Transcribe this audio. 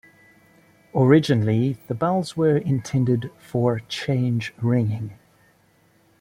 Originally the bells were intended for change ringing.